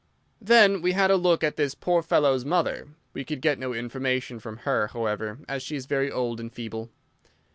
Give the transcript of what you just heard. "Then we had a look at this poor fellow's mother. We could get no information from her, however, as she is very old and feeble."